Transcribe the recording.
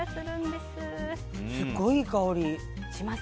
すごいいい香り。